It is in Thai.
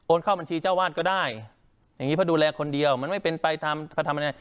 โอนเข้าบัญชีเจ้าอาวาสก็ได้อย่างงี้เพราะดูแลคนเดียวมันไม่เป็นไปทำ